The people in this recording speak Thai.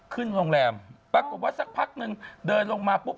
ขึ้นโรงแรมปรากฏว่าสักพักนึงเดินลงมาปุ๊บ